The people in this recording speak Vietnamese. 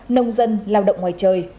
nông dân tổ chức